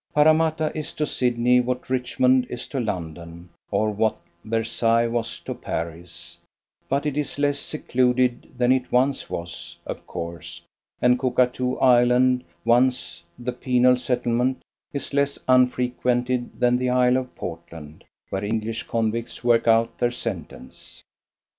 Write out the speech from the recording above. Parramatta is to Sydney what Richmond is to London, or what Versailles was to Paris; but it is less secluded than it once was, of course, and Cockatoo Island, once the penal settlement, is less unfrequented than the Isle of Portland, where English convicts work out their sentence.